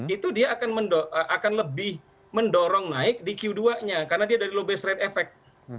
itu dia akan lebih mendorong naik di q dua nya karena dia dari low base rate effect